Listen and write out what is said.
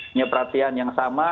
penyepratian yang sama